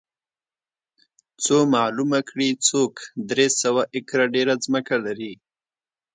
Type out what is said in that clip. څو معلومه کړي څوک درې سوه ایکره ډېره ځمکه لري